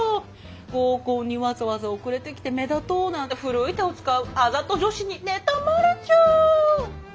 合コンにわざわざ遅れてきて目立とうなんて古い手を使うあざと女子に妬まれちゃう。